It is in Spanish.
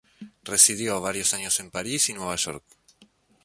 Residió varios años en París y en Nueva York.